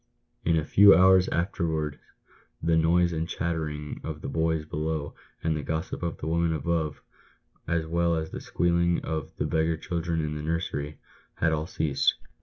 In a few hours afterwards the noise and chattering of the boys below, and the gossip of the women above, as well as the squealing of the beggar children in the nursery, had all ceased.